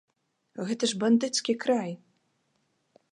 Гэта ж бандыцкі край!